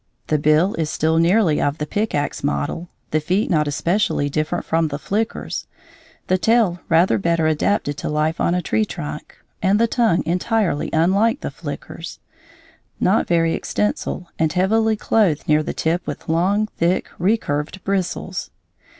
The bill is still nearly of the pick axe model, the feet not especially different from the flicker's, the tail rather better adapted to life on a tree trunk, and the tongue entirely unlike the flicker's, not very extensile and heavily clothed near the tip with long, thick, recurved bristles.